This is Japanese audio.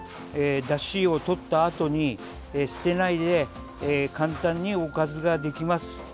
だしをとったあとに捨てないで簡単におかずができます。